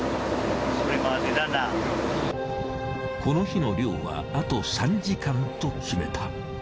この日の漁はあと３時間と決めた。